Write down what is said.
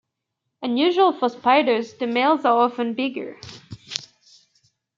Unusual for spiders, the males are often bigger.